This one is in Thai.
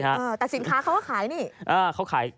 แต่สินค้าเขาว่าขายนี่